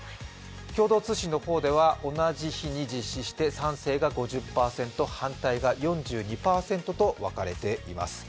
共同通信の方では同じ日に実施して賛成が５０％、反対が４２％と分かれています。